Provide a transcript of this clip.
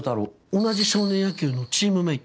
同じ少年野球のチームメイト。